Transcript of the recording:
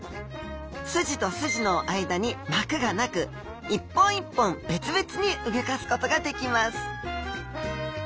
スジとスジの間に膜がなく一本一本別々に動かすことができます